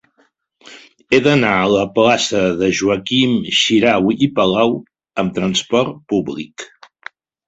He d'anar a la plaça de Joaquim Xirau i Palau amb trasport públic.